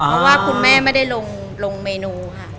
เพราะว่าคุณแม่ไม่ได้ลงเมนูค่ะ